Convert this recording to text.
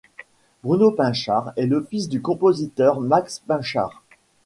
Bruno Pinchard est le fils du compositeur Max Pinchard.